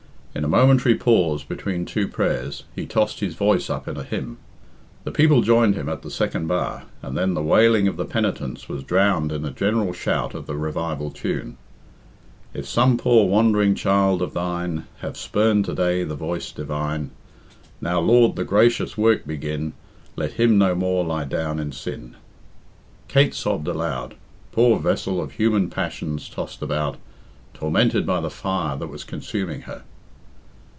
In a momentary pause between two prayers, he tossed his voice up in a hymn. The people joined him at the second bar, and then the wailing of the penitents was drowned in a general shout of the revival tune "If some poor wandering child of Thine Have spurned to day the voice divine, Now, Lord, the gracious work begin, Let him no more lie down in sin." Kate sobbed aloud poor vessel of human passions tossed about, tormented by the fire that was consuming her.